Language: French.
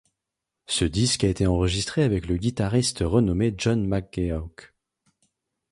Ce disque a été enregistré avec le guitariste renommé John McGeoch.